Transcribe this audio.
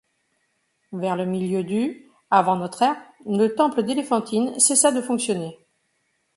Vers le milieu du avant notre ère, le temple d'Éléphantine cessa de fonctionner.